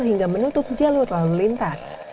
hingga menutup jalur lalu lintas